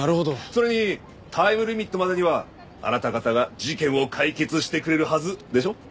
それにタイムリミットまでにはあなた方が事件を解決してくれるはずでしょ？